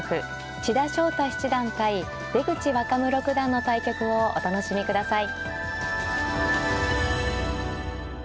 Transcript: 千田翔太七段対出口若武六段の対局をお楽しみください。